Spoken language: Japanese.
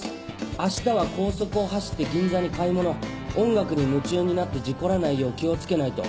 「明日は高速を走って銀座に買い物」「音楽に夢中になって事故らないよう気をつけないと。